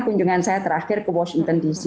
kunjungan saya terakhir ke washington dc